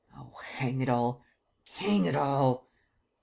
Oh, hang it all, hang it all!"